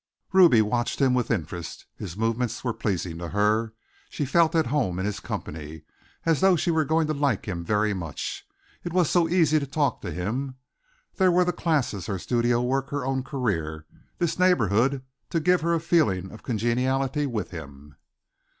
Ruby watched him with interest. His movements were pleasing to her. She felt at home in his company as though she were going to like him very much. It was so easy to talk to him. There were the classes, her studio work, his own career, this neighborhood, to give her a feeling of congeniality with him.